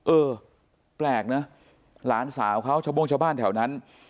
เออแปลกนะหลานสาวเขาชาวโม่งชาวบ้านแถวนั้น